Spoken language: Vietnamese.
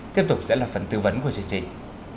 tiếp tục sẽ là phần tư vấn của chương trình